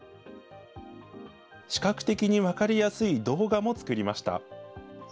視覚的に分かりやすい動画も作りました。